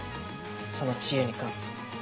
その知恵に勝つ。